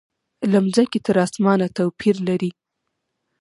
له مځکې تر اسمانه توپیر لري.